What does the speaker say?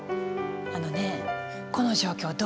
あのねこの状況どうよ？